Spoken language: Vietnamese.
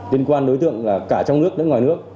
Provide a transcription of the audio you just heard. liên quan đối tượng cả trong nước đến ngoài nước